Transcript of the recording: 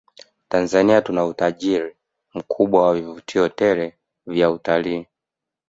Tanzania tuna utajiri mkubwa wa vivutio tele vya utalii